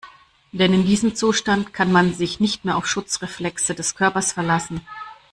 Denn in diesem Zustand kann man sich nicht mehr auf Schutzreflexe des Körpers verlassen.